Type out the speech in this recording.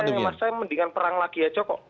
karena saya mendingan perang lagi ya jokowi